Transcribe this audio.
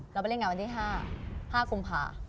เราไปเล่นงานวันที่ห้าห้าคุมภา